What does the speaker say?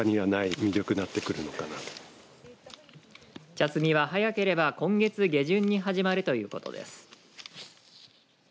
茶摘みは早ければ今月下旬に始まるということです。